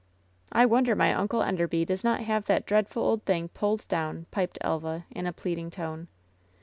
"I wonder my Uncle Enderby does not have that dreadful old thing pulled down," piped Elva, in a plead ing tone.